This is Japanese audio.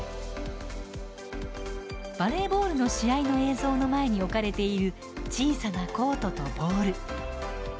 バレーボールの試合の映像の前に置かれている小さなコートとボール。